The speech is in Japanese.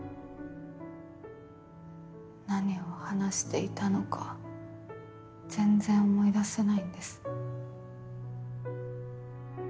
何を話していたのか全然思い出せないんです。